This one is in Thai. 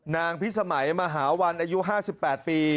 พิสมัยมหาวันอายุ๕๘ปี